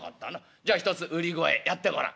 じゃあひとつ売り声やってごらん」。